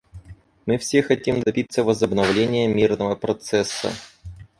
Мы все хотим добиться возобновления мирного процесса.